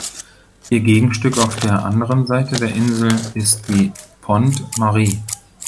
Ihr Gegenstück auf der anderen Seite der Insel ist die "Pont Marie".